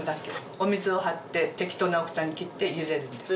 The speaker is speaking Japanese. お水をはって適当な大きさに切って茹でるんです。